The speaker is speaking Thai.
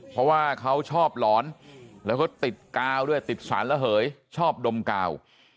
เพราะว่าเขาชอบหลอนแล้วก็ติดกาวด้วยติดสารระเหยชอบดมกาว